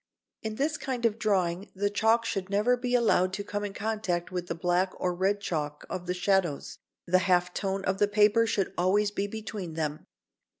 In this kind of drawing the chalk should never be allowed to come in contact with the black or red chalk of the shadows, the half tone of the paper should always be between them.